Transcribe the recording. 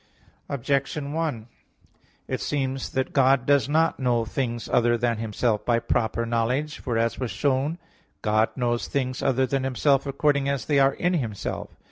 Objection 1: It seems that God does not know things other than Himself by proper knowledge. For, as was shown (A. 5), God knows things other than Himself, according as they are in Himself.